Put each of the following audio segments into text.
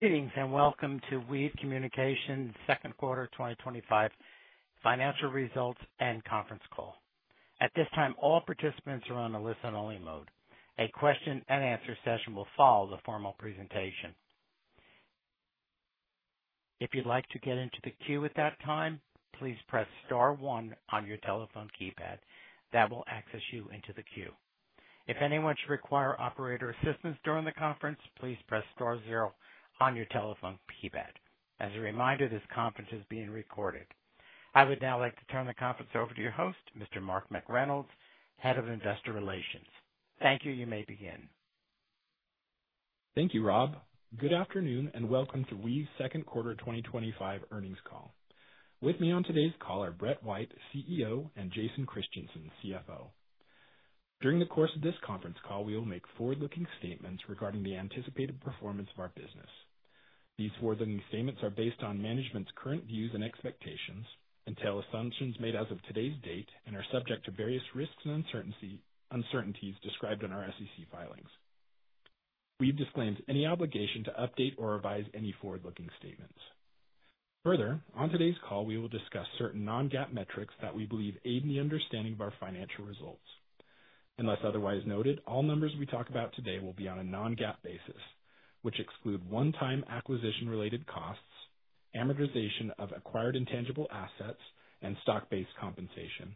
Greetings and welcome to Weave Communications' Second Quarter 2025 Financial Results and Conference Call. At this time, all participants are on a listen-only mode. A question and answer session will follow the formal presentation. If you'd like to get into the queue at that time, please press star one on your telephone keypad. That will access you into the queue. If anyone should require operator assistance during the conference, please press star zero on your telephone keypad. As a reminder, this conference is being recorded. I would now like to turn the conference over to your host, Mr. Mark McReynolds, Head of Investor Relations. Thank you. You may begin. Thank you, Rob. Good afternoon and welcome to Weave Communications' Second Quarter 2025 Earnings Call. With me on today's call are Brett White, CEO, and Jason Christiansen, CFO. During the course of this conference call, we will make forward-looking statements regarding the anticipated performance of our business. These forward-looking statements are based on management's current views and expectations, entail assumptions made as of today's date, and are subject to various risks and uncertainties described in our SEC filings. We've disclaimed any obligation to update or revise any forward-looking statements. Further, on today's call, we will discuss certain non-GAAP metrics that we believe aid in the understanding of our financial results. Unless otherwise noted, all numbers we talk about today will be on a non-GAAP basis, which exclude one-time acquisition-related costs, amortization of acquired intangible assets, and stock-based compensation.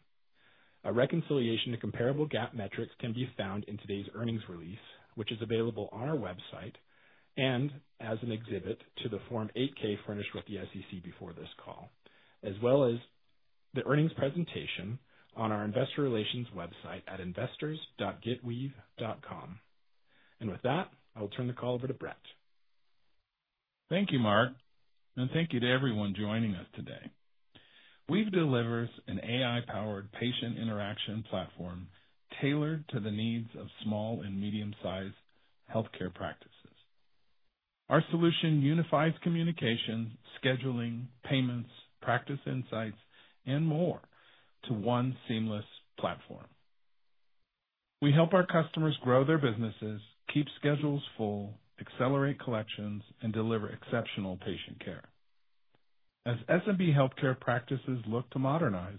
A reconciliation to comparable GAAP metrics can be found in today's earnings release, which is available on our website and as an exhibit to the Form 8-K furnished with the SEC before this call, as well as the earnings presentation on our Investor Relations website at investors.getweave.com. With that, I will turn the call over to Brett. Thank you, Mark, and thank you to everyone joining us today. Weave delivers an AI-powered patient interaction platform tailored to the needs of small and medium-sized healthcare practices. Our solution unifies communication, scheduling, payments, practice insights, and more to one seamless platform. We help our customers grow their businesses, keep schedules full, accelerate collections, and deliver exceptional patient care. As SMB healthcare practices look to modernize,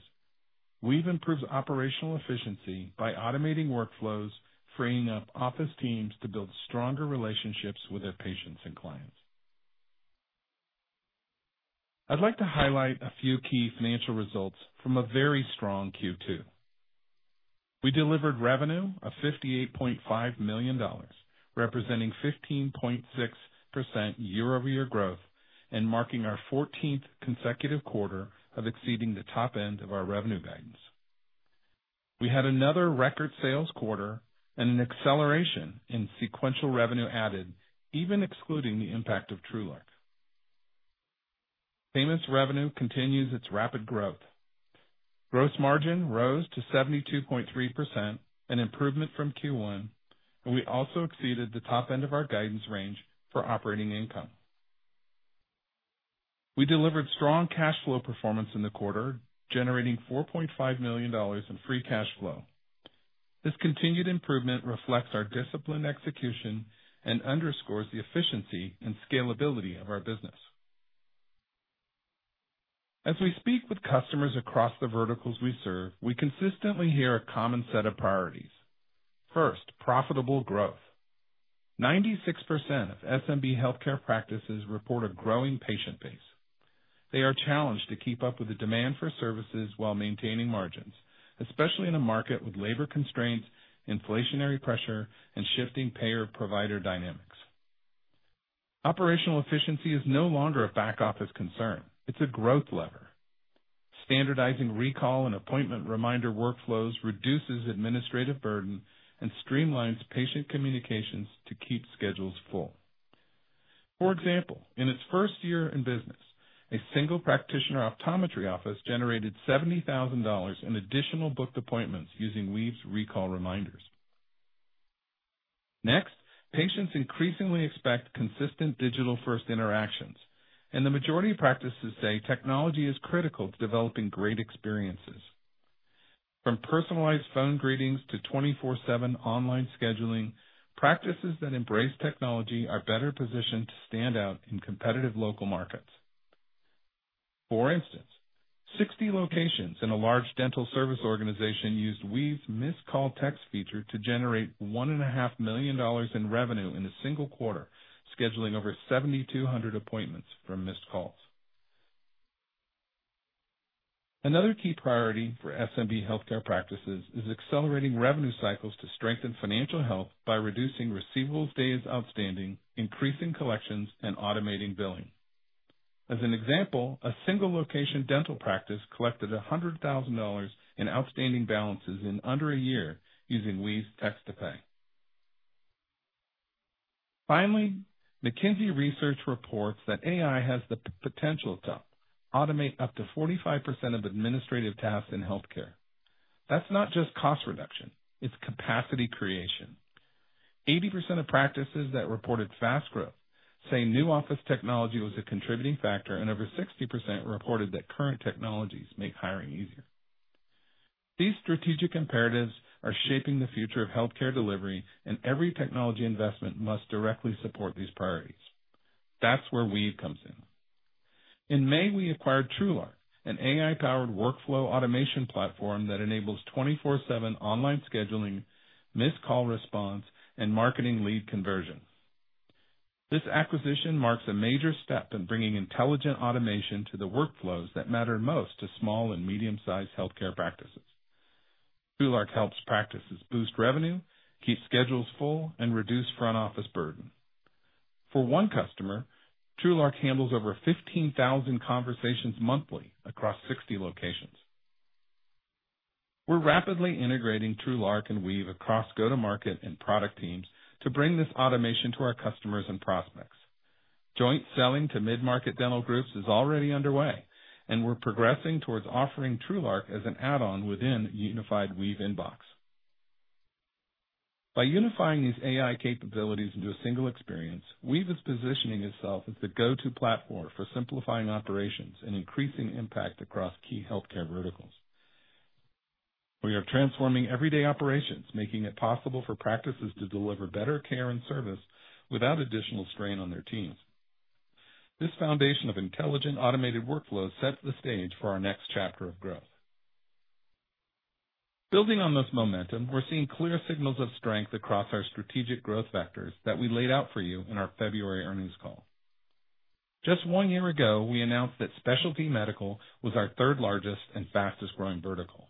Weave improves operational efficiency by automating workflows, freeing up office teams to build stronger relationships with their patients and clients. I'd like to highlight a few key financial results from a very strong Q2. We delivered revenue of $58.5 million, representing 15.6% year-over-year growth and marking our 14th consecutive quarter of exceeding the top end of our revenue guidance. We had another record sales quarter and an acceleration in sequential revenue added, even excluding the impact of TrueLark. Payments revenue continues its rapid growth. Gross margin rose to 72.3%, an improvement from Q1, and we also exceeded the top end of our guidance range for operating income. We delivered strong cash flow performance in the quarter, generating $4.5 million in free cash flow. This continued improvement reflects our disciplined execution and underscores the efficiency and scalability of our business. As we speak with customers across the verticals we serve, we consistently hear a common set of priorities. First, profitable growth. 96% of SMB healthcare practices report a growing patient base. They are challenged to keep up with the demand for services while maintaining margins, especially in a market with labor constraints, inflationary pressure, and shifting payer-provider dynamics. Operational efficiency is no longer a back-office concern, it's a growth lever. Standardizing recall and appointment reminder workflows reduces administrative burden and streamlines patient communications to keep schedules full. For example, in its first year in business, a single practitioner optometry office generated $70,000 in additional booked appointments using Weave's recall reminders. Next, patients increasingly expect consistent digital-first interactions, and the majority of practices say technology is critical to developing great experiences. From personalized phone greetings to 24/7 online scheduling, practices that embrace technology are better positioned to stand out in competitive local markets. For instance, 60 locations in a large Dental Service Organization used Weave's Missed Call Text feature to generate $1.5 million in revenue in a single quarter, scheduling over 7,200 appointments for missed calls. Another key priority for SMB healthcare practices is accelerating revenue cycles to strengthen financial health by reducing receivables days outstanding, increasing collections, and automating billing. As an example, a single-location dental practice collected $100,000 in outstanding balances in under a year using Weave's Text to Pay. Finally, McKinsey research reports that AI has the potential to automate up to 45% of administrative tasks in healthcare. That's not just cost reduction; it's capacity creation. 80% of practices that reported fast growth say new office technology was a contributing factor, and over 60% reported that current technologies make hiring easier. These strategic imperatives are shaping the future of healthcare delivery, and every technology investment must directly support these priorities. That's where Weave comes in. In May, we acquired TrueLark, an AI-powered workflow automation platform that enables 24/7 online scheduling, missed call response, and marketing lead conversions. This acquisition marks a major step in bringing intelligent automation to the workflows that matter most to small and medium-sized healthcare practices. TrueLark helps practices boost revenue, keep schedules full, and reduce front office burden. For one customer, TrueLark handles over 15,000 conversations monthly across 60 locations. We're rapidly integrating TrueLark and Weave across go-to-market and product teams to bring this automation to our customers and prospects. Joint selling to mid-market dental groups is already underway, and we're progressing towards offering TrueLark as an add-on within a unified Weave inbox. By unifying these AI capabilities into a single experience, Weave is positioning itself as the go-to platform for simplifying operations and increasing impact across key healthcare verticals. We are transforming everyday operations, making it possible for practices to deliver better care and service without additional strain on their teams. This foundation of intelligent automated workflows sets the stage for our next chapter of growth. Building on this momentum, we're seeing clear signals of strength across our strategic growth vectors that we laid out for you in our February earnings call. Just one year ago, we announced that specialty medical was our third largest and fastest growing vertical.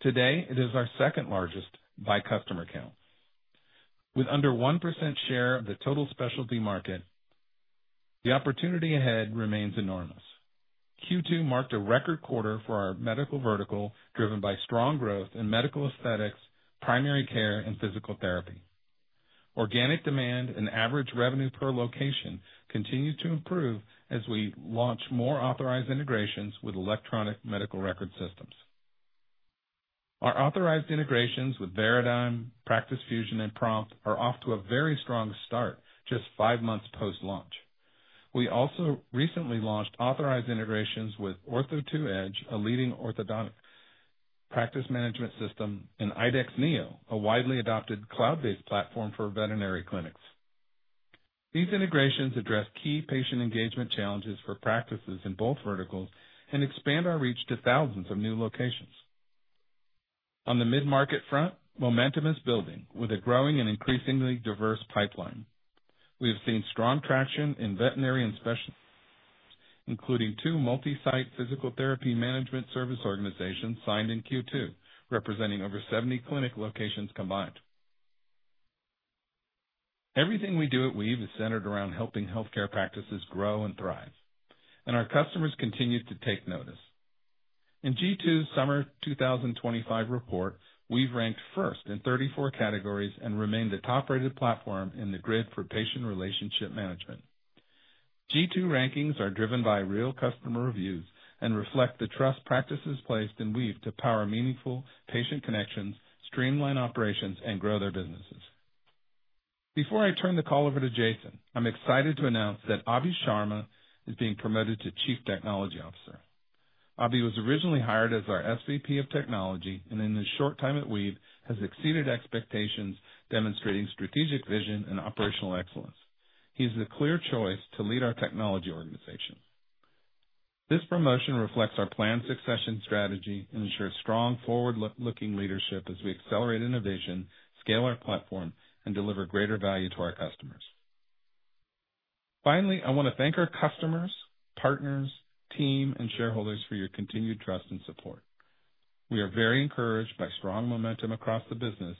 Today, it is our second largest by customer count. With under 1% share of the total specialty market, the opportunity ahead remains enormous. Q2 marked a record quarter for our medical vertical, driven by strong growth in medical aesthetics, primary care, and physical therapy. Organic demand and average revenue per location continue to improve as we launch more authorized integrations with electronic medical record systems. Our authorized integrations with Veradigm, Practice Fusion, and Prompt are off to a very strong start just five months post-launch. We also recently launched authorized integrations with Ortho2Edge, a leading orthodontic practice management system, and IDEXX Neo, a widely adopted cloud-based platform for veterinary clinics. These integrations address key patient engagement challenges for practices in both verticals and expand our reach to thousands of new locations. On the mid-market front, momentum is building with a growing and increasingly diverse pipeline. We have seen strong traction in veterinary inspections, including two multi-site physical therapy management service organizations signed in Q2, representing over 70 clinic locations combined. Everything we do at Weave is centered around helping healthcare practices grow and thrive, and our customers continue to take notice. In G2's summer 2025 report, we've ranked first in 34 categories and remained the top-rated platform in the grid for patient relationship management. G2 rankings are driven by real customer reviews and reflect the trust practices placed in Weave to power meaningful patient connections, streamline operations, and grow their businesses. Before I turn the call over to Jason, I'm excited to announce that Abhi Sharma is being promoted to Chief Technology Officer. Abhi was originally hired as our SVP of Technology, and in his short time at Weave, he has exceeded expectations, demonstrating strategic vision and operational excellence. He's the clear choice to lead our technology organization. This promotion reflects our planned succession strategy and ensures strong forward-looking leadership as we accelerate innovation, scale our platform, and deliver greater value to our customers. Finally, I want to thank our customers, partners, team, and shareholders for your continued trust and support. We are very encouraged by strong momentum across the business,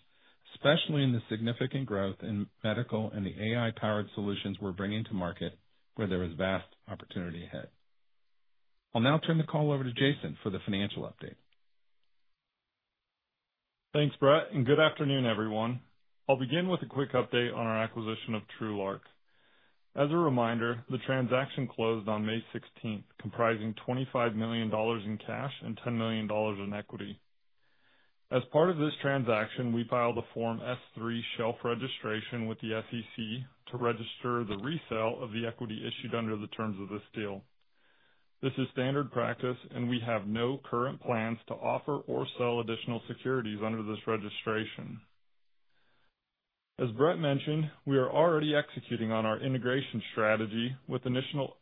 especially in the significant growth in medical and the AI-powered solutions we're bringing to market, where there is vast opportunity ahead. I'll now turn the call over to Jason for the financial update. Thanks, Brett, and good afternoon, everyone. I'll begin with a quick update on our acquisition of TrueLark. As a reminder, the transaction closed on May 16th, comprising $25 million in cash and $10 million in equity. As part of this transaction, we filed a Form S-3 shelf registration with the SEC to register the resale of the equity issued under the terms of this deal. This is standard practice, and we have no current plans to offer or sell additional securities under this registration. As Brett mentioned, we are already executing on our integration strategy with initial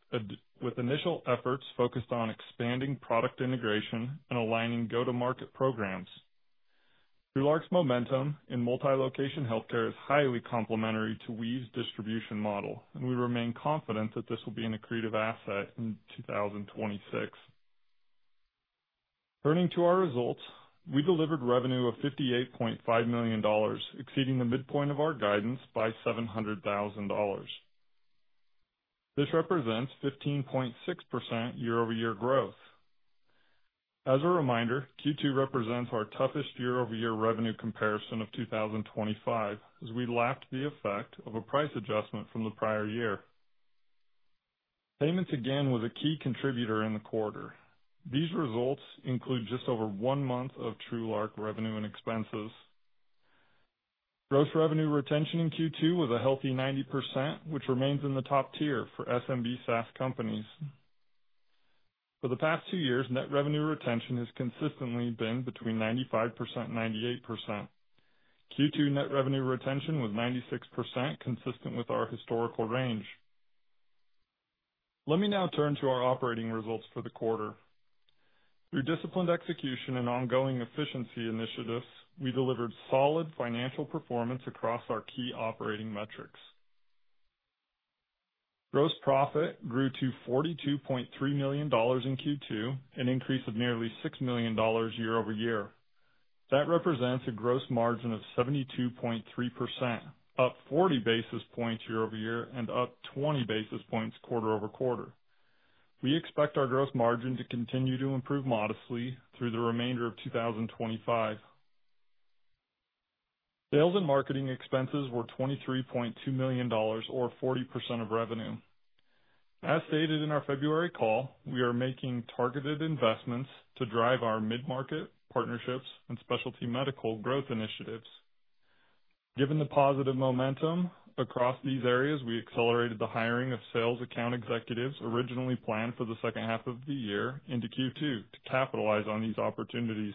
efforts focused on expanding product integration and aligning go-to-market programs. TrueLark's momentum in multi-location healthcare is highly complementary to Weave's distribution model, and we remain confident that this will be an accretive asset in 2026. Turning to our results, we delivered revenue of $58.5 million, exceeding the midpoint of our guidance by $700,000. This represents 15.6% year-over-year growth. As a reminder, Q2 represents our toughest year-over-year revenue comparison of 2025, as we lacked the effect of a price adjustment from the prior year. Payments again was a key contributor in the quarter. These results include just over one month of TrueLark revenue and expenses. Gross revenue retention in Q2 was a healthy 90%, which remains in the top tier for SMB SaaS companies. For the past two years, net revenue retention has consistently been between 95% and 98%. Q2 net revenue retention was 96%, consistent with our historical range. Let me now turn to our operating results for the quarter. Through disciplined execution and ongoing efficiency initiatives, we delivered solid financial performance across our key operating metrics. Gross profit grew to $42.3 million in Q2, an increase of nearly $6 million year-over-year. That represents a gross margin of 72.3%, up 40 basis points year-over-year and up 20 basis points quarter-over-quarter. We expect our gross margin to continue to improve modestly through the remainder of 2025. Sales and marketing expenses were $23.2 million, or 40% of revenue. As stated in our February call, we are making targeted investments to drive our mid-market partnerships and specialty medical growth initiatives. Given the positive momentum across these areas, we accelerated the hiring of sales account executives originally planned for the second half of the year into Q2 to capitalize on these opportunities.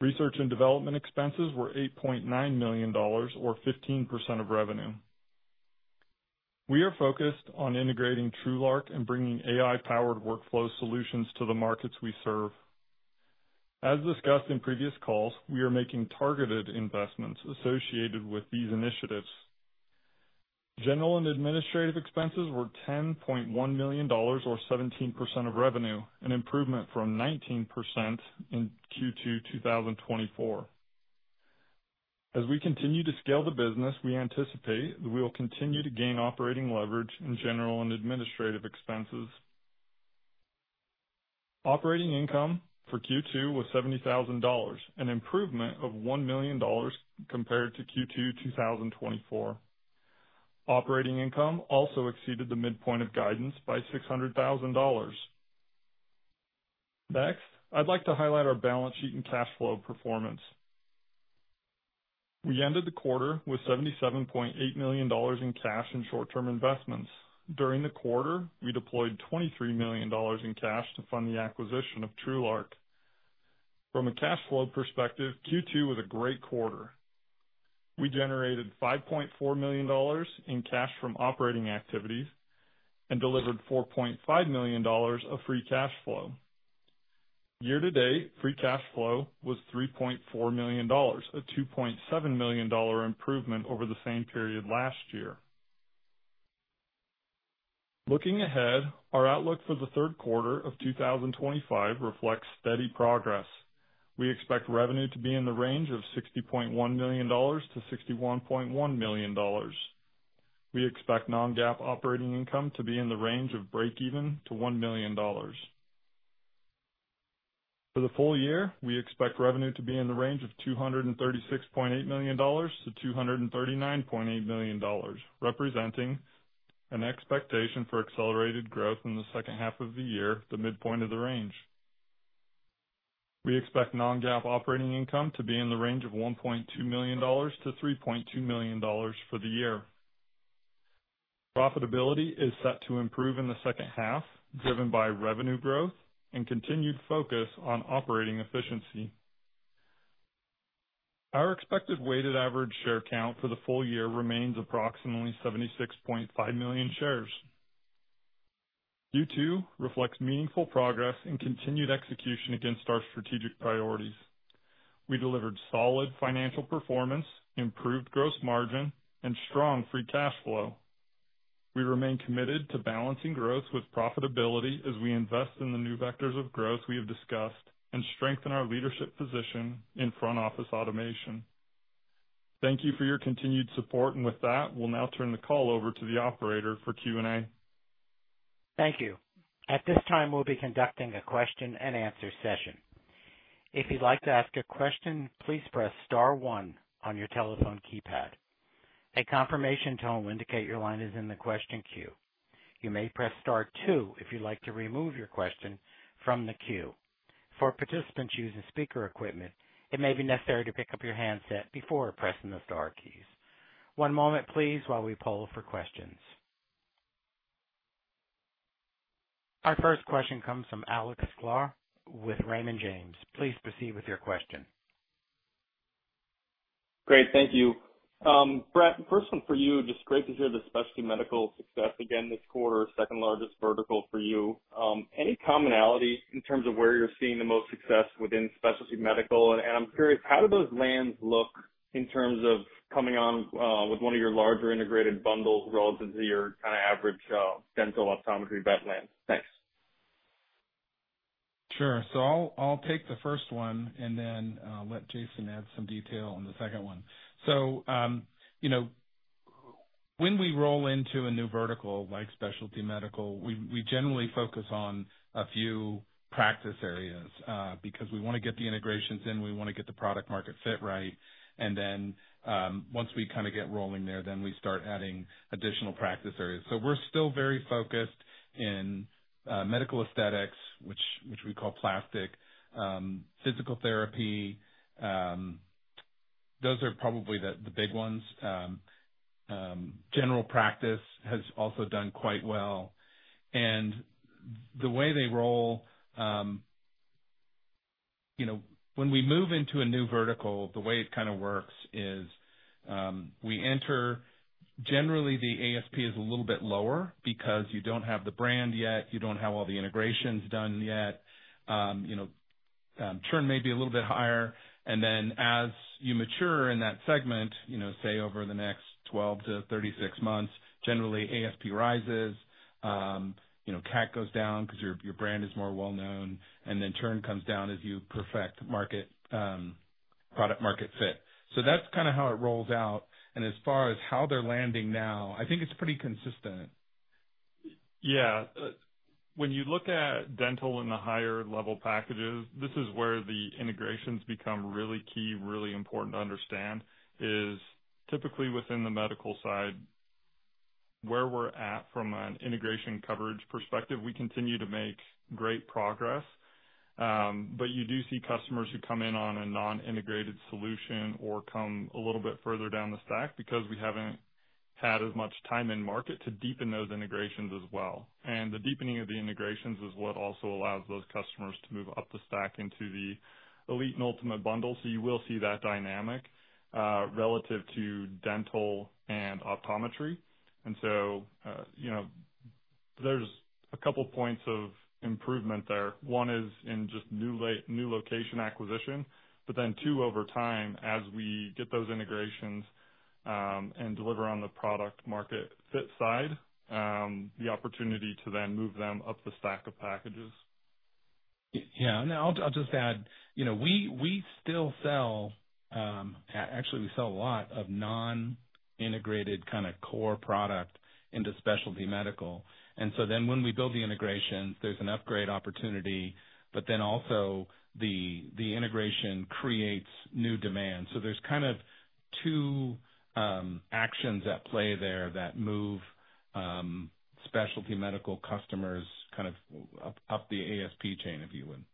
Research and development expenses were $8.9 million, or 15% of revenue. We are focused on integrating TrueLark and bringing AI-powered workflow solutions to the markets we serve. As discussed in previous calls, we are making targeted investments associated with these initiatives. General and administrative expenses were $10.1 million, or 17% of revenue, an improvement from 19% in Q2 2024. As we continue to scale the business, we anticipate that we will continue to gain operating leverage in general and administrative expenses. Operating income for Q2 was $70,000, an improvement of $1 million compared to Q2 2024. Operating income also exceeded the midpoint of guidance by $600,000. Next, I'd like to highlight our balance sheet and cash flow performance. We ended the quarter with $77.8 million in cash and short-term investments. During the quarter, we deployed $23 million in cash to fund the acquisition of TrueLark. From a cash flow perspective, Q2 was a great quarter. We generated $5.4 million in cash from operating activities and delivered $4.5 million of free cash flow. Year to date, free cash flow was $3.4 million, a $2.7 million improvement over the same period last year. Looking ahead, our outlook for the third quarter of 2025 reflects steady progress. We expect revenue to be in the range of $60.1 million-$61.1 million. We expect non-GAAP operating income to be in the range of break-even to $1 million. For the full year, we expect revenue to be in the range of $236.8 million-$239.8 million, representing an expectation for accelerated growth in the second half of the year, the midpoint of the range. We expect non-GAAP operating income to be in the range of $1.2 million-$3.2 million for the year. Profitability is set to improve in the second half, driven by revenue growth and continued focus on operating efficiency. Our expected weighted average share count for the full year remains approximately 76.5 million shares. Q2 reflects meaningful progress in continued execution against our strategic priorities. We delivered solid financial performance, improved gross margin, and strong free cash flow. We remain committed to balancing growth with profitability as we invest in the new vectors of growth we have discussed and strengthen our leadership position in front office automation. Thank you for your continued support, and with that, we'll now turn the call over to the operator for Q&A. Thank you. At this time, we'll be conducting a question and answer session. If you'd like to ask a question, please press star one on your telephone keypad. A confirmation tone will indicate your line is in the question queue. You may press star two if you'd like to remove your question from the queue. For participants using speaker equipment, it may be necessary to pick up your handset before pressing the star keys. One moment, please, while we poll for questions. Our first question comes from Alex Sklar with Raymond James. Please proceed with your question. Great, thank you. Brett, first one for you, just great to hear the specialty medical success again this quarter, second largest vertical for you. Any commonality in terms of where you're seeing the most success within specialty medical? I'm curious, how do those lands look in terms of coming on with one of your larger integrated bundles relative to your kind of average dental, optometry, vet land? Thanks. Sure. I'll take the first one and then let Jason add some detail on the second one. When we roll into a new vertical like specialty medical, we generally focus on a few practice areas because we want to get the integrations in, we want to get the product-market fit right. Once we kind of get rolling there, we start adding additional practice areas. We're still very focused in medical aesthetics, which we call plastic, physical therapy. Those are probably the big ones. General practice has also done quite well. The way they roll, when we move into a new vertical, the way it kind of works is we enter, generally, the ASP is a little bit lower because you don't have the brand yet, you don't have all the integrations done yet. Churn may be a little bit higher. As you mature in that segment, say over the next 12-36 months, generally, ASP rises, CAC goes down because your brand is more well-known, and churn comes down as you perfect product-market fit. That's kind of how it rolls out. As far as how they're landing now, I think it's pretty consistent. Yeah. When you look at dental and the higher-level packages, this is where the integrations become really key, really important to understand, is typically within the medical side. Where we're at from an integration coverage perspective, we continue to make great progress. You do see customers who come in on a non-integrated solution or come a little bit further down the stack because we haven't had as much time in market to deepen those integrations as well. The deepening of the integrations is what also allows those customers to move up the stack into the elite and ultimate bundle. You will see that dynamic relative to dental and optometry. There are a couple of points of improvement there. One is in just new location acquisition, but then two, over time, as we get those integrations and deliver on the product-market fit side, the opportunity to then move them up the stack of packages. Yeah, I'll just add, you know, we still sell, actually, we sell a lot of non-integrated kind of core product into specialty medical. When we build the integrations, there's an upgrade opportunity, but also the integration creates new demand. There's kind of two actions at play there that move specialty medical customers up the ASP chain, if you would.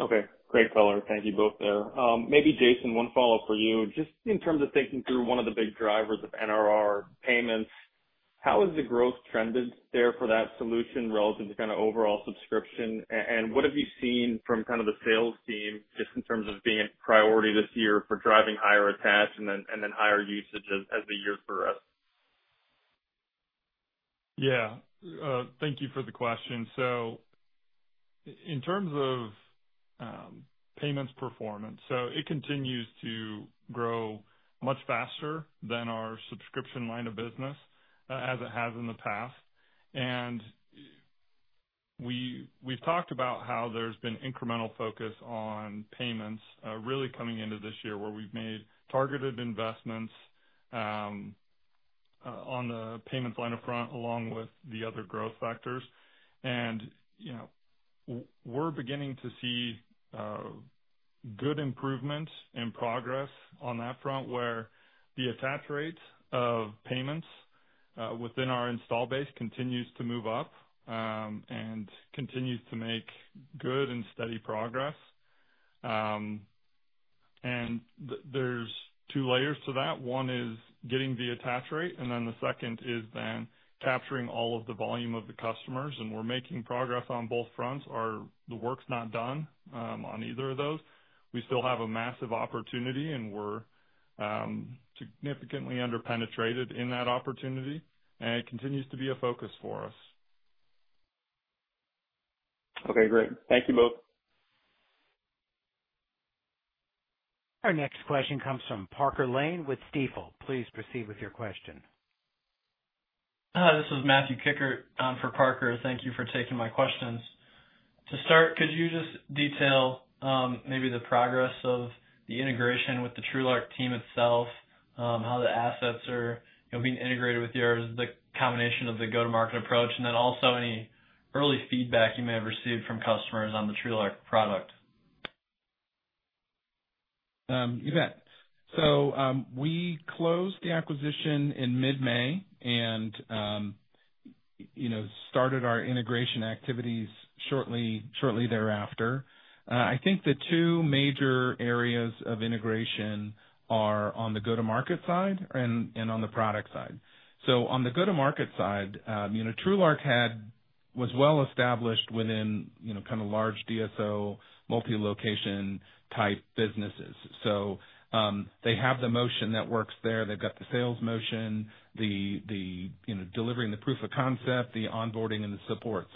Okay. Great follow-up. Thank you both there. Maybe Jason, one follow-up for you. Just in terms of thinking through one of the big drivers of NRR payments, how has the growth trended there for that solution relative to kind of overall subscription? What have you seen from kind of the sales team just in terms of being a priority this year for driving higher attach and then higher usage as the years progress? Thank you for the question. In terms of payments performance, it continues to grow much faster than our subscription line of business as it has in the past. We've talked about how there's been incremental focus on payments really coming into this year where we've made targeted investments on the payments line of front along with the other growth factors. We're beginning to see good improvements in progress on that front where the attach rates of payments within our install base continue to move up and continue to make good and steady progress. There are two layers to that. One is getting the attach rate, and the second is then capturing all of the volume of the customers. We're making progress on both fronts. The work's not done on either of those. We still have a massive opportunity, and we're significantly underpenetrated in that opportunity. It continues to be a focus for us. Okay. Great. Thank you both. Our next question comes from Parker Lane with Stifel. Please proceed with your question. Hi. This is Matthew Kikkert on for Parker. Thank you for taking my questions. To start, could you just detail maybe the progress of the integration with the TrueLark team itself, how the assets are being integrated with yours, the combination of the go-to-market approach, and then also any early feedback you may have received from customers on the TrueLark product? You bet. We closed the acquisition in mid-May and started our integration activities shortly thereafter. I think the two major areas of integration are on the go-to-market side and on the product side. On the go-to-market side, TrueLark was well established within kind of large DSO, multi-location type businesses. They have the motion that works there. They've got the sales motion, the delivering the proof of concept, the onboarding, and the support.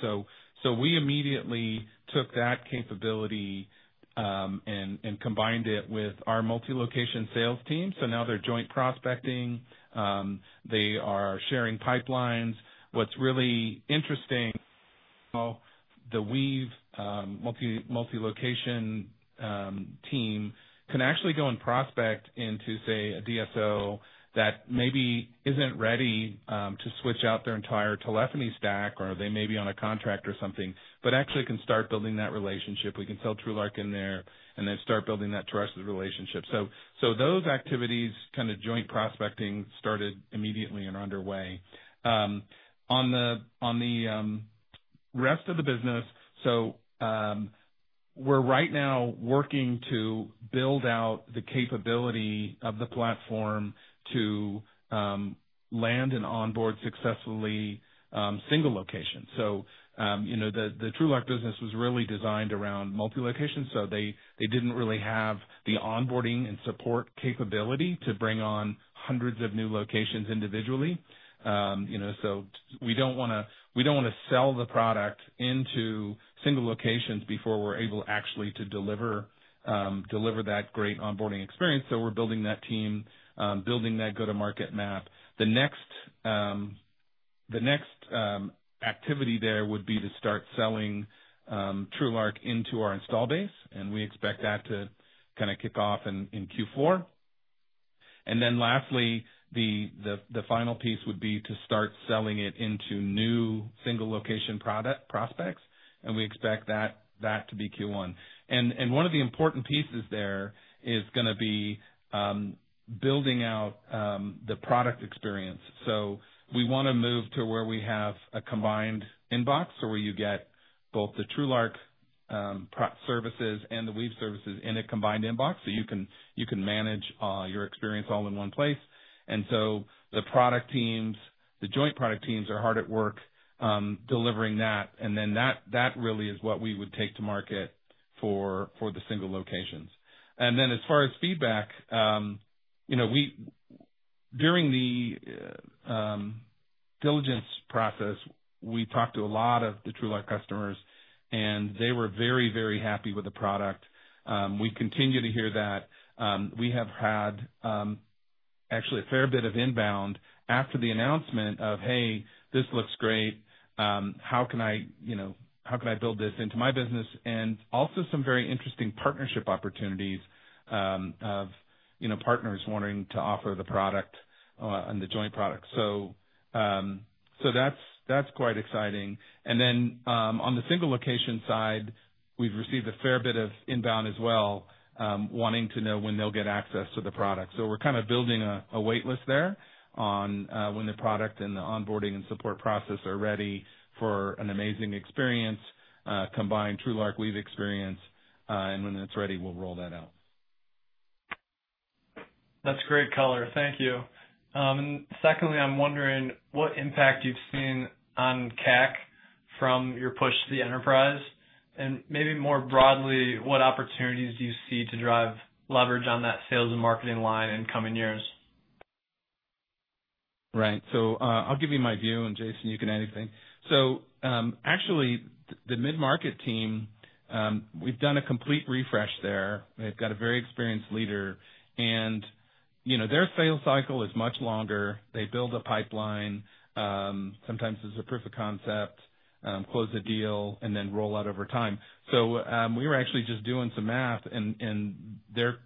We immediately took that capability and combined it with our multi-location sales team. Now they're joint prospecting. They are sharing pipelines. What's really interesting is how the Weave multi-location team can actually go and prospect into, say, a DSO that maybe isn't ready to switch out their entire telephony stack, or they may be on a contract or something, but actually can start building that relationship. We can sell TrueLark in there, and they start building that trusted relationship. Those activities, kind of joint prospecting, started immediately and are underway. On the rest of the business, we're right now working to build out the capability of the platform to land and onboard successfully single locations. The TrueLark business was really designed around multi-locations. They didn't really have the onboarding and support capability to bring on hundreds of new locations individually. We don't want to sell the product into single locations before we're able actually to deliver that great onboarding experience. We're building that team, building that go-to-market map. The next activity there would be to start selling TrueLark into our install base, and we expect that to kind of kick off in Q4. Lastly, the final piece would be to start selling it into new single-location product prospects, and we expect that to be Q1. One of the important pieces there is going to be building out the product experience. We want to move to where we have a combined inbox, so where you get both the TrueLark services and the Weave services in a combined inbox, so you can manage your experience all in one place. The product teams, the joint product teams, are hard at work delivering that. That really is what we would take to market for the single locations. As far as feedback, during the diligence process, we talked to a lot of the TrueLark customers, and they were very, very happy with the product. We continue to hear that. We have had actually a fair bit of inbound after the announcement of, "Hey, this looks great. How can I build this into my business?" There have also been some very interesting partnership opportunities of partners wanting to offer the product and the joint product. That's quite exciting. On the single location side, we've received a fair bit of inbound as well wanting to know when they'll get access to the product. We're kind of building a waitlist there on when the product and the onboarding and support process are ready for an amazing experience, combined TrueLark Weave experience, and when it's ready, we'll roll that out. That's great color. Thank you. Secondly, I'm wondering what impact you've seen on CAC from your push to the enterprise, and maybe more broadly, what opportunities do you see to drive leverage on that sales and marketing line in coming years? Right. I'll give you my view, and Jason, you can add anything. The mid-market team, we've done a complete refresh there. They've got a very experienced leader, and their sales cycle is much longer. They build a pipeline, sometimes as a proof of concept, close a deal, and then roll out over time. We were just doing some math, and their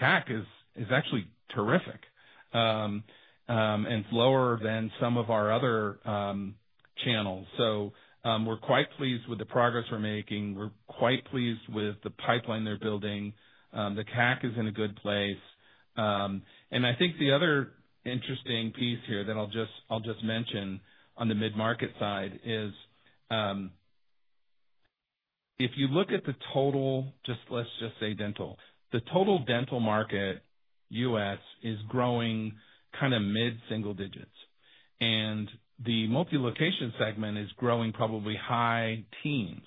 CAC is actually terrific, and it's lower than some of our other channels. We're quite pleased with the progress we're making. We're quite pleased with the pipeline they're building. The CAC is in a good place. I think the other interesting piece here that I'll just mention on the mid-market side is if you look at the total, just let's just say dental, the total dental market U.S. is growing kind of mid-single digits. The multi-location segment is growing probably high teens.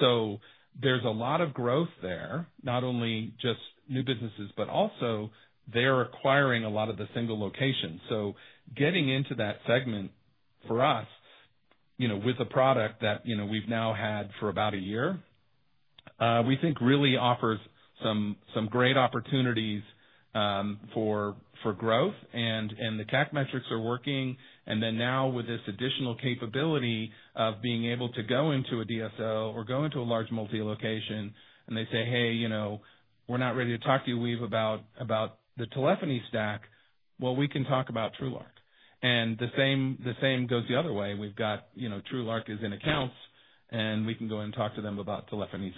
There's a lot of growth there, not only just new businesses, but also they're acquiring a lot of the single locations. Getting into that segment for us, with a product that we've now had for about a year, we think really offers some great opportunities for growth, and the CAC metrics are working. Now with this additional capability of being able to go into a DSO or go into a large multi-location, and they say, "Hey, we're not ready to talk to you, Weave, about the telephony stack. We can talk about TrueLark." The same goes the other way. We've got TrueLark is in accounts, and we can go and talk to them about telephony.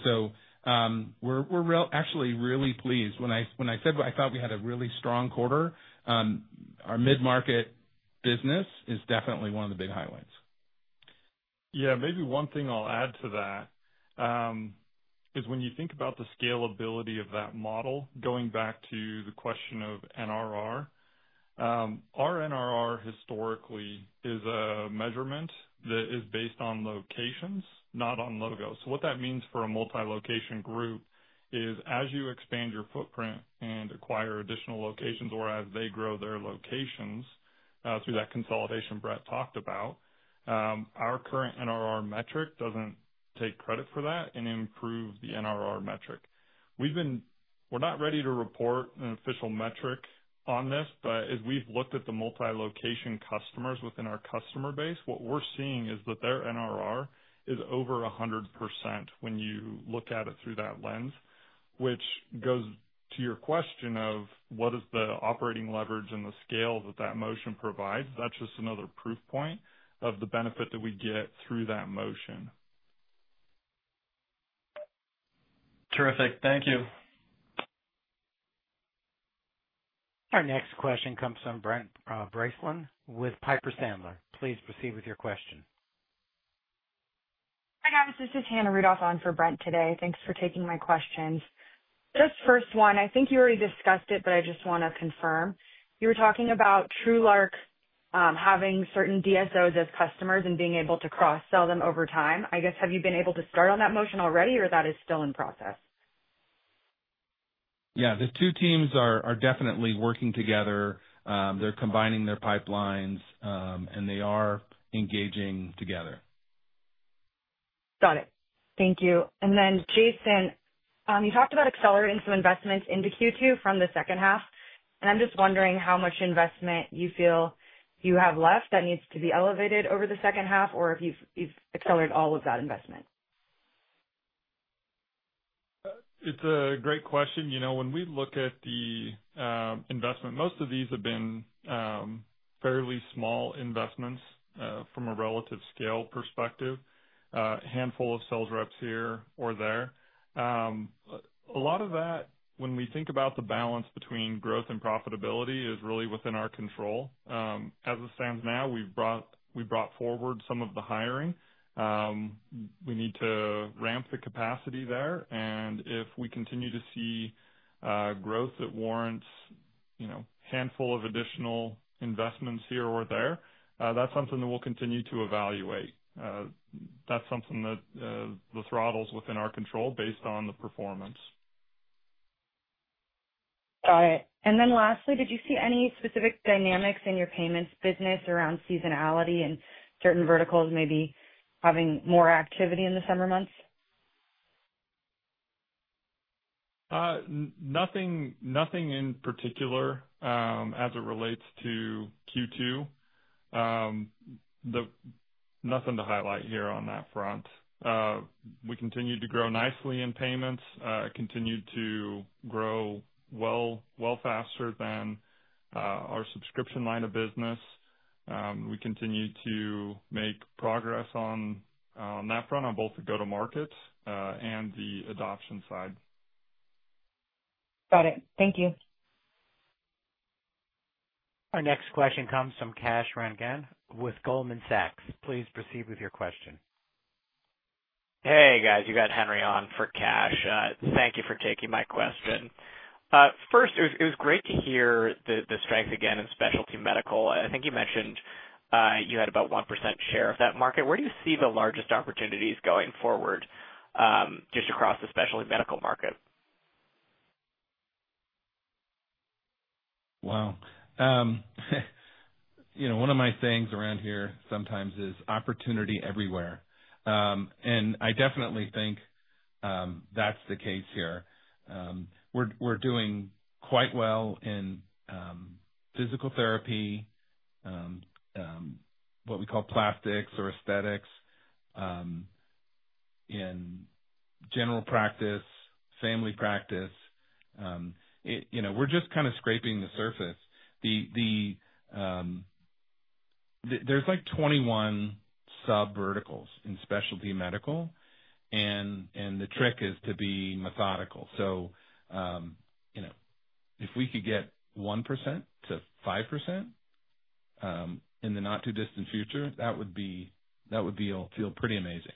We're actually really pleased. When I said I thought we had a really strong quarter, our mid-market business is definitely one of the big highlights. Yeah. Maybe one thing I'll add to that is when you think about the scalability of that model, going back to the question of NRR, our NRR historically is a measurement that is based on locations, not on logos. What that means for a multi-location group is as you expand your footprint and acquire additional locations, or as they grow their locations through that consolidation Brett talked about, our current NRR metric doesn't take credit for that and improve the NRR metric. We're not ready to report an official metric on this, but as we've looked at the multi-location customers within our customer base, what we're seeing is that their NRR is over 100% when you look at it through that lens, which goes to your question of what is the operating leverage and the scale that that motion provides. That's just another proof point of the benefit that we get through that motion. Terrific. Thank you. Our next question comes from Brent Bracelin with Piper Sandler. Please proceed with your question. Hi guys, this is Hannah Rudoff on for Brett today. Thanks for taking my questions. Just first one, I think you already discussed it, but I just want to confirm. You were talking about TrueLark having certain DSOs as customers and being able to cross-sell them over time. I guess, have you been able to start on that motion already, or that is still in process? Yeah, the two teams are definitely working together. They're combining their pipelines, and they are engaging together. Got it. Thank you. Jason, you talked about accelerating some investments into Q2 from the second half. I'm just wondering how much investment you feel you have left that needs to be elevated over the second half, or if you've accelerated all of that investment. It's a great question. When we look at the investment, most of these have been fairly small investments from a relative scale perspective. A handful of sales reps here or there. A lot of that, when we think about the balance between growth and profitability, is really within our control. As it stands now, we brought forward some of the hiring. We need to ramp the capacity there. If we continue to see growth that warrants a handful of additional investments here or there, that's something that we'll continue to evaluate. That's something that the throttle is within our control based on the performance. Got it. Lastly, did you see any specific dynamics in your payments business around seasonality and certain verticals maybe having more activity in the summer months? Nothing in particular as it relates to Q2. Nothing to highlight here on that front. We continued to grow nicely in payments, continued to grow well, well faster than our subscription line of business. We continue to make progress on that front on both the go-to-market and the adoption side. Got it. Thank you. Our next question comes from Kash Rangan with Goldman Sachs. Please proceed with your question. Hey guys, you got Henry on for Kash. Thank you for taking my question. First, it was great to hear the strengths again in specialty medical. I think you mentioned you had about 1% share of that market. Where do you see the largest opportunities going forward just across the specialty medical market? One of my sayings around here sometimes is opportunity everywhere. I definitely think that's the case here. We're doing quite well in physical therapy, what we call plastics or aesthetics, in general practice, family practice. We're just kind of scraping the surface. There's like 21 sub-verticals in specialty medical, and the trick is to be methodical. If we could get 1%-5% in the not-too-distant future, that would feel pretty amazing.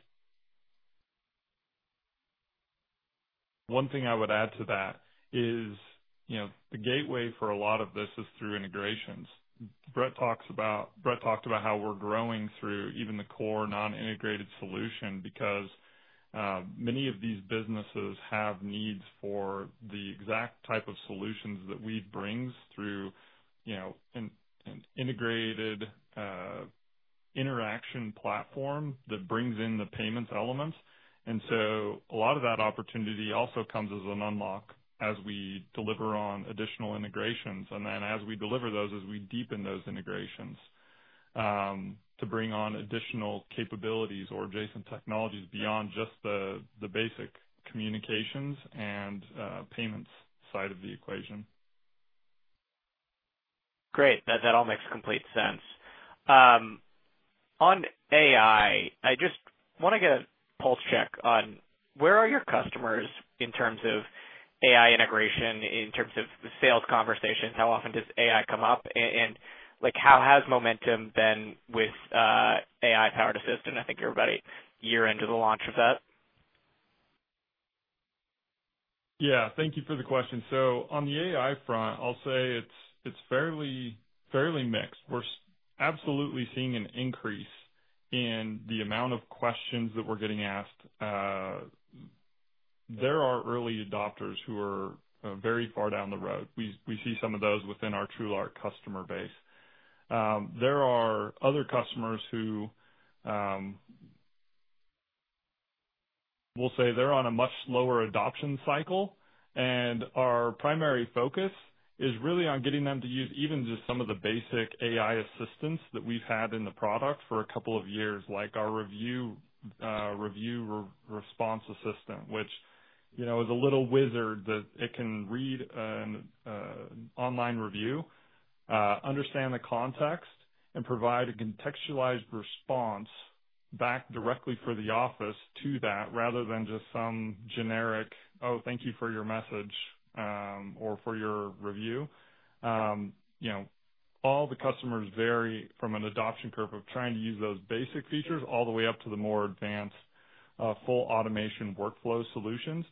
One thing I would add to that is, you know, the gateway for a lot of this is through integrations. Brett talked about how we're growing through even the core non-integrated solution because many of these businesses have needs for the exact type of solutions that Weave brings through, you know, an integrated interaction platform that brings in the payments elements. A lot of that opportunity also comes as an unlock as we deliver on additional integrations. As we deliver those, as we deepen those integrations to bring on additional capabilities or adjacent technologies beyond just the basic communications and payments side of the equation. Great. That all makes complete sense. On AI, I just want to get a pulse check on where are your customers in terms of AI integration, in terms of sales conversations? How often does AI come up? How has momentum been with AI-powered assistant? I think you're about a year into the launch of that. Thank you for the question. On the AI front, I'll say it's fairly mixed. We're absolutely seeing an increase in the amount of questions that we're getting asked. There are early adopters who are very far down the road. We see some of those within our TrueLark customer base. There are other customers who will say they're on a much slower adoption cycle, and our primary focus is really on getting them to use even just some of the basic AI assistants that we've had in the product for a couple of years, like our review response assistant, which is a little wizard that can read an online review, understand the context, and provide a contextualized response back directly for the office to that rather than just some generic, "Oh, thank you for your message or for your review." All the customers vary from an adoption curve of trying to use those basic features all the way up to the more advanced full automation workflow solutions.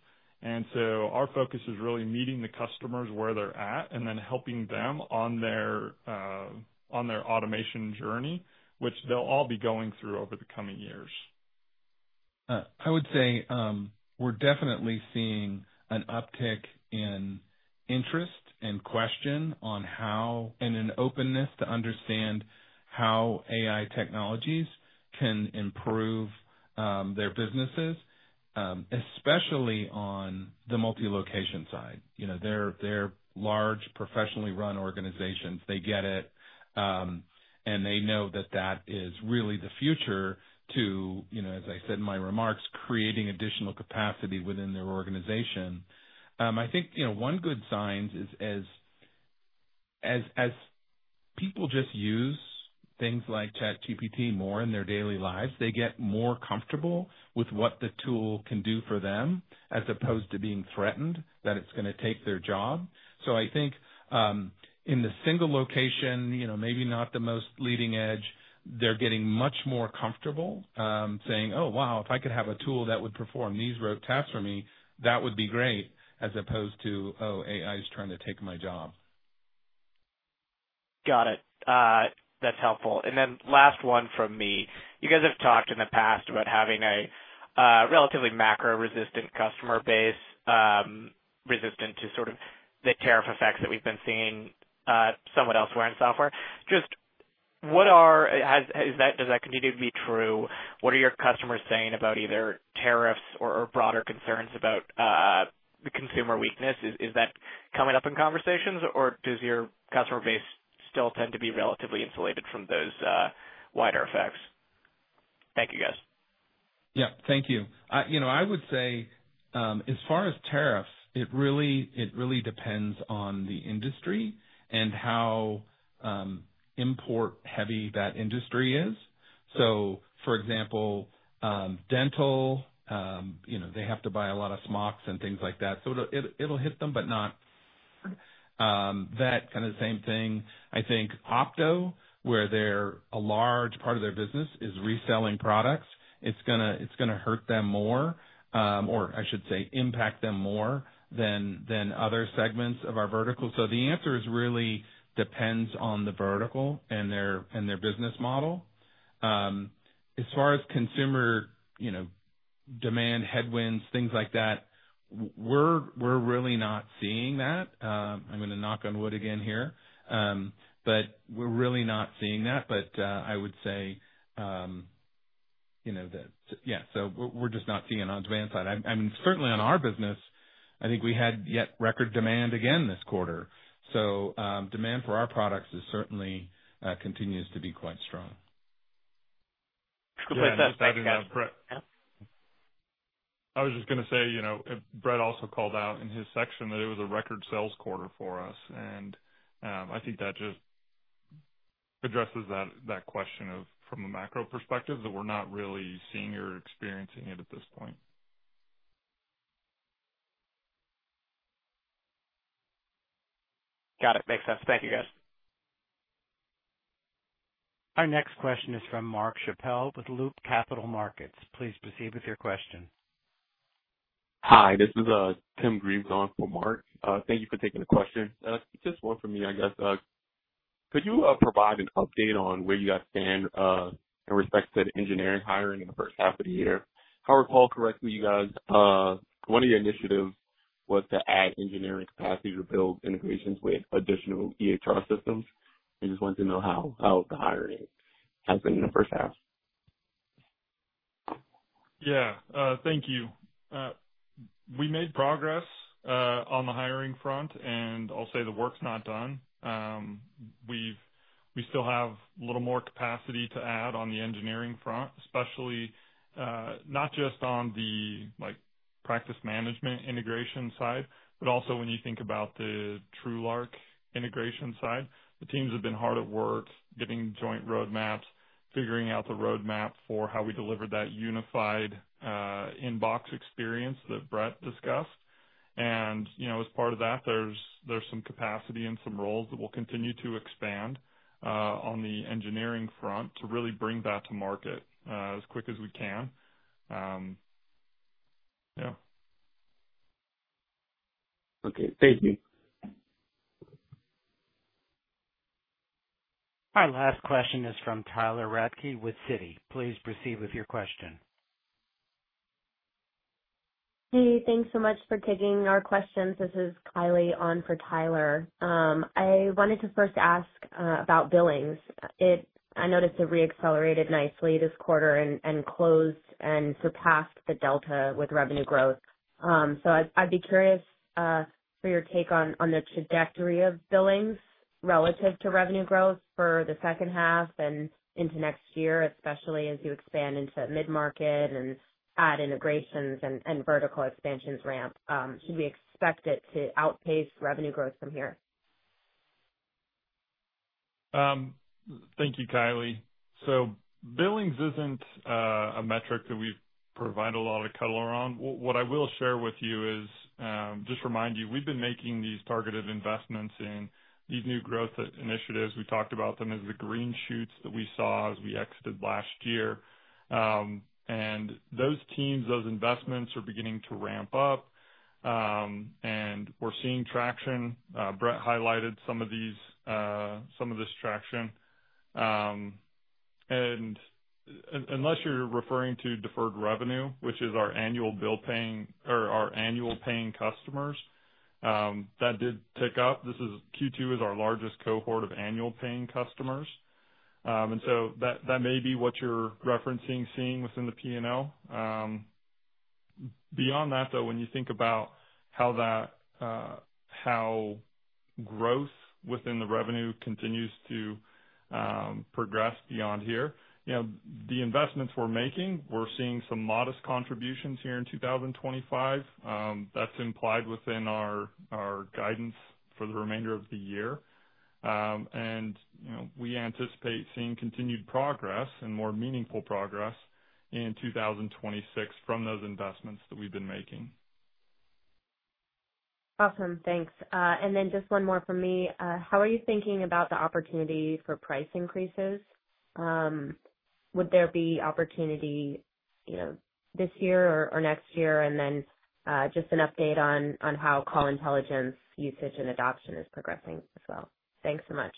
Our focus is really meeting the customers where they're at and then helping them on their automation journey, which they'll all be going through over the coming years. I would say we're definitely seeing an uptick in interest and question on how, and an openness to understand how AI technologies can improve their businesses, especially on the multi-location side. They're large professionally run organizations. They get it, and they know that that is really the future to, as I said in my remarks, creating additional capacity within their organization. I think one good sign is as people just use things like ChatGPT more in their daily lives, they get more comfortable with what the tool can do for them as opposed to being threatened that it's going to take their job. I think in the single location, maybe not the most leading edge, they're getting much more comfortable saying, "Oh, wow, if I could have a tool that would perform these rote tasks for me, that would be great," as opposed to, "Oh, AI is trying to take my job. Got it. That's helpful. Last one from me. You guys have talked in the past about having a relatively macro-resistant customer base, resistant to sort of the tariff effects that we've been seeing somewhat elsewhere in software. Does that continue to be true? What are your customers saying about either tariffs or broader concerns about the consumer weakness? Is that coming up in conversations, or does your customer base still tend to be relatively insulated from those wider effects? Thank you, guys. Yeah, thank you. I would say as far as tariffs, it really depends on the industry and how import-heavy that industry is. For example, dental, they have to buy a lot of smocks and things like that. It'll hit them, but not the same thing. I think opto, where a large part of their business is reselling products, it's going to hurt them more, or I should say impact them more than other segments of our vertical. The answer really depends on the vertical and their business model. As far as consumer demand headwinds, things like that, we're really not seeing that. I'm going to knock on wood again here, but we're really not seeing that. I would say, yeah, we're just not seeing it on the demand side. Certainly on our business, I think we had yet record demand again this quarter. Demand for our products certainly continues to be quite strong. I was just going to say, you know, Brett also called out in his section that it was a record sales quarter for us. I think that just addresses that question from a macro perspective that we're not really seeing or experiencing it at this point. Got it. Makes sense. Thank you, guys. Our next question is from Mark Schappel with Loop Capital Markets. Please proceed with your question. Hi, this is Tim Greaves on for Mark. Thank you for taking the question. Just one for me, I guess. Could you provide an update on where you guys stand in respect to the engineering hiring in the first half of the year? If I recall correctly, you guys, one of your initiatives was to add engineering capacity to build integrations with additional EHR systems. I just wanted to know how the hiring has been in the first half. Yeah, thank you. We made progress on the hiring front, and I'll say the work's not done. We still have a little more capacity to add on the engineering front, especially not just on the practice management integration side, but also when you think about the TrueLark integration side. The teams have been hard at work getting joint roadmaps, figuring out the roadmap for how we deliver that unified inbox experience that Brett discussed. As part of that, there's some capacity and some roles that will continue to expand on the engineering front to really bring that to market as quick as we can. Yeah. Okay, thank you. Our last question is from Tyler Radke with Citi. Please proceed with your question. Hey, thanks so much for taking our questions. This is Kylie on for Tyler. I wanted to first ask about billings. I noticed it reaccelerated nicely this quarter and closed and surpassed the delta with revenue growth. I'd be curious for your take on the trajectory of billings relative to revenue growth for the second half and into next year, especially as you expand into mid-market and add integrations and vertical expansions ramp. Should we expect it to outpace revenue growth from here? Thank you, Kylie. Billings isn't a metric that we've provided a lot of color on. What I will share with you is just remind you, we've been making these targeted investments in these new growth initiatives. We talked about them as the green shoots that we saw as we exited last year. Those teams, those investments are beginning to ramp up, and we're seeing traction. Brett highlighted some of this traction. Unless you're referring to deferred revenue, which is our annual bill paying or our annual paying customers, that did tick up. Q2 is our largest cohort of annual paying customers, so that may be what you're referencing seeing within the P&L. Beyond that, though, when you think about how that growth within the revenue continues to progress beyond here, the investments we're making, we're seeing some modest contributions here in 2025. That's implied within our guidance for the remainder of the year. We anticipate seeing continued progress and more meaningful progress in 2026 from those investments that we've been making. Awesome. Thanks. Just one more from me. How are you thinking about the opportunity for price increases? Would there be opportunity this year or next year? Just an update on how Call Intelligence usage and adoption is progressing as well. Thanks so much.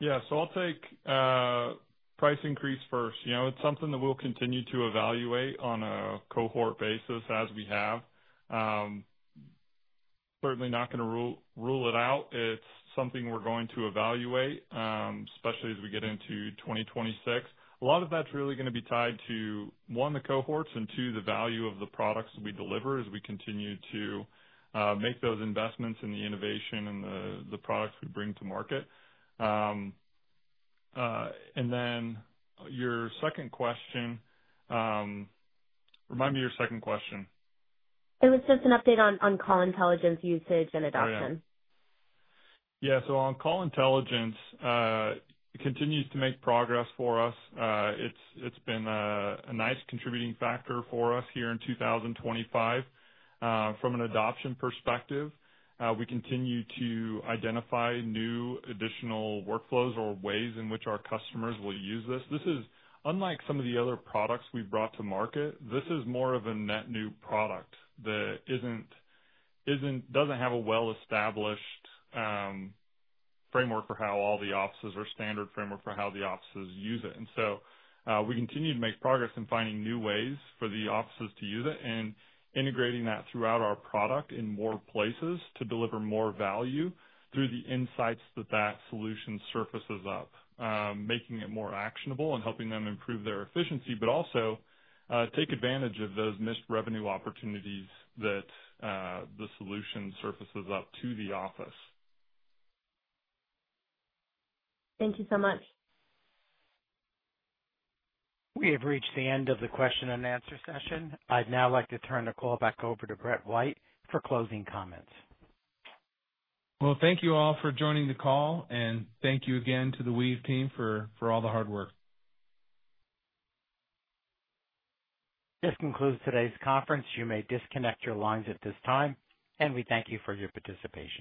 Yeah. I'll take a price increase first. It's something that we'll continue to evaluate on a cohort basis as we have. Certainly not going to rule it out. It's something we're going to evaluate, especially as we get into 2026. A lot of that's really going to be tied to, one, the cohorts and, two, the value of the products that we deliver as we continue to make those investments in the innovation and the products we bring to market. Your second question, remind me your second question. It was just an update on Call Intelligence usage and adoption. Yeah. On Call Intelligence, it continues to make progress for us. It's been a nice contributing factor for us here in 2025. From an adoption perspective, we continue to identify new additional workflows or ways in which our customers will use this. This is unlike some of the other products we've brought to market. This is more of a net new product that doesn't have a well-established framework for how all the offices or standard framework for how the offices use it. We continue to make progress in finding new ways for the offices to use it and integrating that throughout our product in more places to deliver more value through the insights that that solution surfaces up, making it more actionable and helping them improve their efficiency, but also take advantage of those missed revenue opportunities that the solution surfaces up to the office. Thank you so much. We have reached the end of the question and answer session. I'd now like to turn the call back over to Brett White for closing comments. Thank you all for joining the call, and thank you again to the Weave team for all the hard work. This concludes today's conference. You may disconnect your lines at this time, and we thank you for your participation.